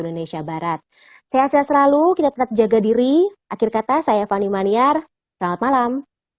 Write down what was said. indonesia barat sehat sehat selalu kita tetap jaga diri akhir kata saya fani maniar selamat malam